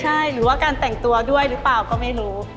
ใช่หรือว่าการแต่งตัวด้วยหรือเปล่าก็ไม่รู้